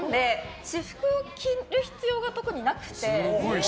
私服を着る必要が特になくて。